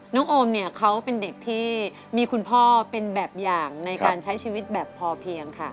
โอมเนี่ยเขาเป็นเด็กที่มีคุณพ่อเป็นแบบอย่างในการใช้ชีวิตแบบพอเพียงค่ะ